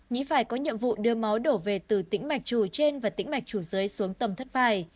nhĩ phải có nhiệm vụ đưa máu đổ về từ tĩnh mạch trù trên và tĩnh mạch trù dưới xuống tầm thất phải